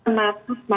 kenapa masa depan